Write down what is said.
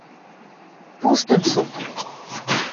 Пуштын шу!..